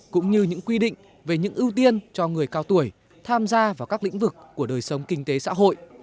cũng như những quy định về những ưu tiên cho người cao tuổi tham gia vào các lĩnh vực của đời sống kinh tế xã hội